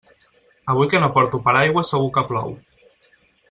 Avui que no porto paraigua segur que plou.